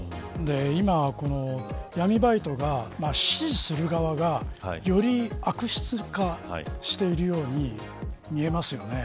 今、闇バイトが指示する側がより悪質化しているように見えますよね。